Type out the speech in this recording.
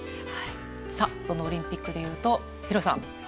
そのオリンピックでいうと弘さん。